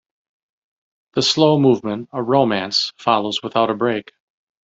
The slow movement, a "Romance", follows without a break.